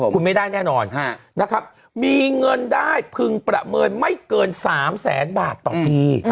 คุณไม่ได้แน่นอนนะครับมีเงินได้พึงประเมินไม่เกิน๓แสนบาทต่อปี